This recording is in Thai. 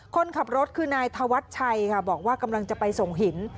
คนขับรถคือนายธวัชชัยค่ะบอกว่ากำลังจะไปส่งหิน